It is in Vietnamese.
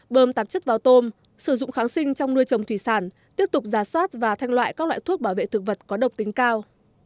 bơm tạp chất vào tôm sử dụng kháng sinh trong nuôi trồng thủy sản tiếp tục giả soát và thanh loại các loại thuốc bảo vệ thực vật có độc tính cao